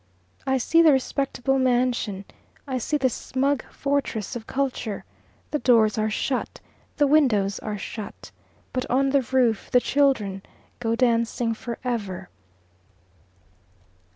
"I see the respectable mansion. I see the smug fortress of culture. The doors are shut. The windows are shut. But on the roof the children go dancing for ever."